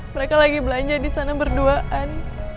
mereka lagi belanja di sana berduaan